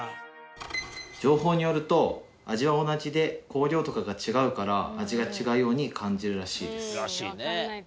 情報によると味は同じで香料とかが違うから味が違うように感じるらしいです。